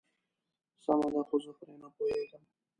سمه ده خو زه پرې نه پوهيږم.